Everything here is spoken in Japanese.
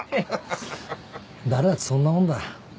誰だってそんなもんだ。